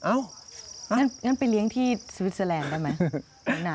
งั้นไปเลี้ยงที่สวิสเตอร์แลนด์ได้ไหม